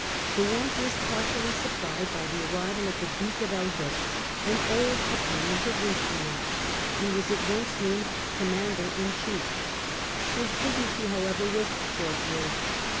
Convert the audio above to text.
The want was partially supplied by the arrival of the Duke of Elbceuf, an old opponent of Richelieu ; he was at once named commander in chief. His dignity, how ever, was short lived.